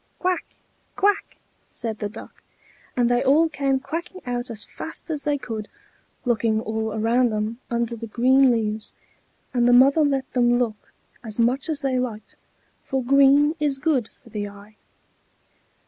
"Quack! quack!" said the Duck, and they all came quacking out as fast as they could, looking all around them under the green leaves; and the mother let them look as much as they liked, for green is good for the eye.